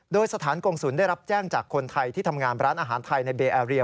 โดยสถานกงศูนย์ได้รับแจ้งจากคนไทยที่ทำงานร้านอาหารไทยในเบแอาเรีย